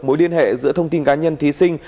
mối liên hệ giữa thông tin cá nhân thí sinh